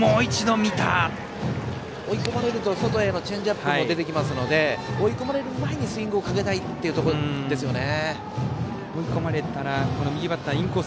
追い込まれると外へのチェンジアップも出てきますので追い込まれる前にスイングをかけたいところですよね。